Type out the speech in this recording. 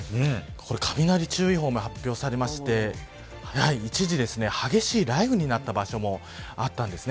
これ雷注意報が発表されまして一時、激しい雷雨になった場所もあったんです。